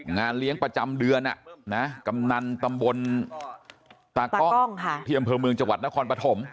งานเลี้ยงประจำเดือนกำนันตำบลตากล้องที่อำเภอเมืองจังหวัดนครปฐม